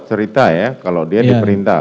cerita ya kalau dia diperintah